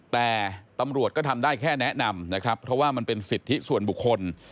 แต่ตำรวจก็ทำได้แค่แนะนำนะครับเพราะว่ามันเป็นสิทธิส่วนบุคคล